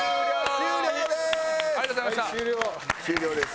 終了です。